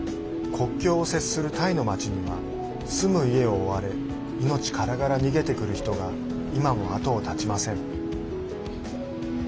国境を接するタイの町には住む家を追われ命からがら逃げてくる人が今も後を絶ちません。